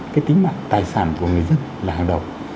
cái tính mạng tài sản của người dân là hàng đầu